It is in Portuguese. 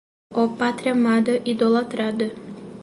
Ó Pátria amada, idolatrada